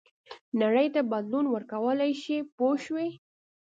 نړۍ ته بدلون ورکولای شي پوه شوې!.